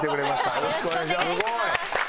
よろしくお願いします！